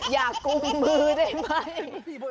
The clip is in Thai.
อย่ากุมมือได้ไหม